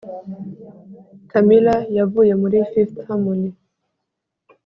camilla yavuye muri fifth harmony